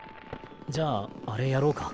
じゃああれやろうか。